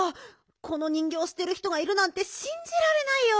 この人ぎょうをすてる人がいるなんてしんじられないよ。